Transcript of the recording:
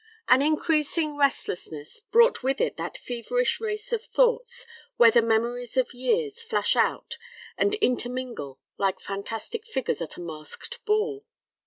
An increasing restlessness brought with it that feverish race of thoughts, where the memories of years flash out and intermingle like fantastic figures at a masked ball.